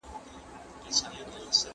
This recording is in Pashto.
¬ وږی په خوب ټيکۍ ويني.